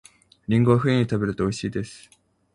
りんごは冬に食べると美味しいです